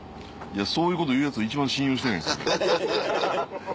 そういうこと言うヤツ一番信用してないんです俺。